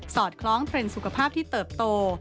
อดคล้องเทรนด์สุขภาพที่เติบโต